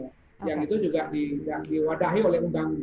jadi itu juga yang diwadahi oleh undang undang